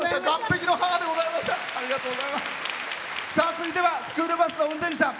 続いてはスクールバスの運転手さん。